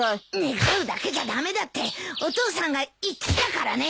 願うだけじゃ駄目だってお父さんが言ってたからね。